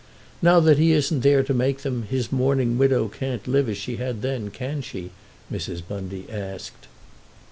"Now that he isn't there to make them, his mourning widow can't live as she had then, can she?" Mrs. Bundy asked.